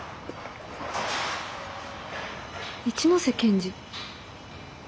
一ノ瀬検事。